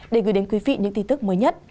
để gửi đến quý vị những tin tức mới nhất